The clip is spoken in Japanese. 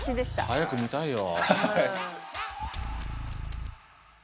早く見たいよ。